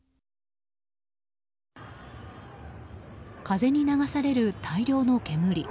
風に流される大量の煙。